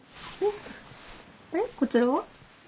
こちらは？